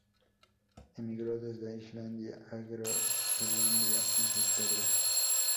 Emigró desde Islandia a Groenlandia con sus padres.